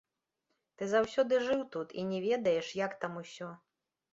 Ты заўсёды жыў тут і не ведаеш, як там усё.